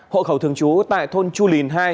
hộ khẩu thường trú tại thôn chu lìn hai